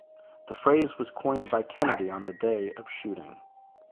The phrase was coined by Kennedy on the day of shooting.